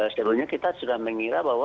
sebenarnya kita sudah mengira bahwa